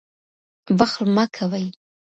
بخل مه کوئ.